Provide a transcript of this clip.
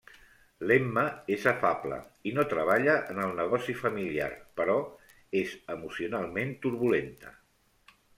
L'Emma és afable, i no treballa en el negoci familiar, però és emocionalment turbulenta.